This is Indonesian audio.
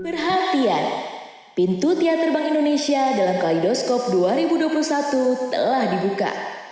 perhatian pintu tia terbang indonesia dalam kalidoskop dua ribu dua puluh satu telah dibuka